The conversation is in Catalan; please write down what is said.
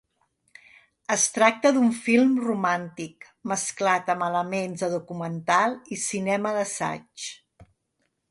Es tracta d'un film romàntic, mesclat amb elements de documental i cinema d'assaig.